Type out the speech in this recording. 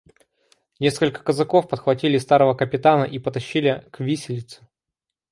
Несколько казаков подхватили старого капитана и потащили к виселице.